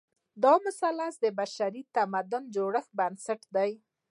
دا مثلث د بشري تمدن د جوړښت بنسټ دی.